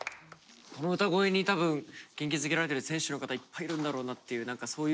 この歌声に多分元気づけられてる選手の方いっぱいいるんだろうなっていう何かそういう景色が。